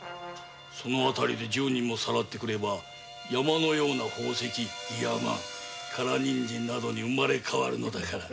その辺りで十人もさらってくれば山のような宝石ギヤマン唐人参などに生まれ変わるのだから。